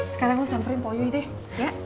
sekarang lo samperin po'oyoi deh ya